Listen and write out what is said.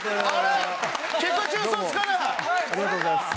ありがとうございます。